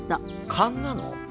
勘なの？